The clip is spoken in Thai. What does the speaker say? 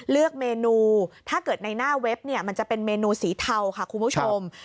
เลือกเมนูถ้าเกิดในหน้าเว็บเนี่ยมันจะเป็นเมนูสีเทาค่ะคุณผู้ชม